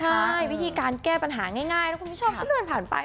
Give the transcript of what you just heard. ใช่วิธีการแก้ปัญหาง่ายทุกคนไม่ชอบก็เลื่อนผ่านไป